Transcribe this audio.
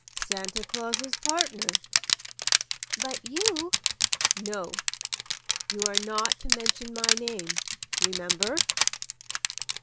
"Santa Claus's partner." "But you—?" "No. You are not to mention my name. Remember!"